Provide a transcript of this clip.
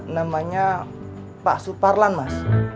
namanya pak suparlan mas